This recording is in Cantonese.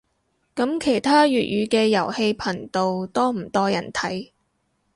噉其他粵語嘅遊戲頻道多唔多人睇